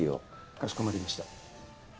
・かしこまりました。